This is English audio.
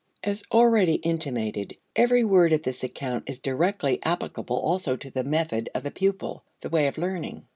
As already intimated, every word of this account is directly applicable also to the method of the pupil, the way of learning.